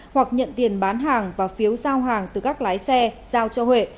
hoặc nhận tiền bán hàng và phiếu giao hàng từ các lái xe giao cho huệ